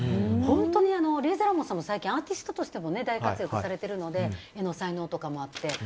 本当にレイザーラモンさんも最近アーティストとしても大活躍されているので絵の才能とかもあって。